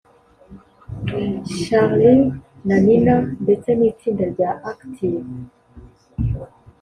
Charly na Nina ndetse n’itsinda rya Active